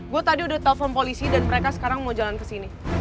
gue tadi udah telpon polisi dan mereka sekarang mau jalan kesini